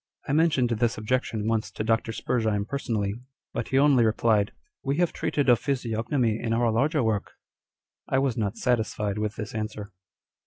I mentioned this objection once to Dr. Spurzheim personally, but he only replied â€" " We have treated of physiognomy in our larger work !" I was not satisfied with this answer.